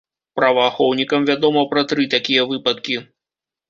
Праваахоўнікам вядома пра тры такія выпадкі.